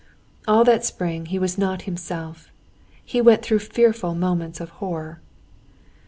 All that spring he was not himself, and went through fearful moments of horror.